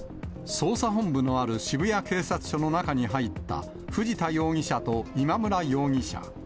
捜査本部のある渋谷警察署の中に入った藤田容疑者と今村容疑者。